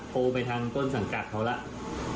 โทรไปทางต้นสังกัดเขาแล้ว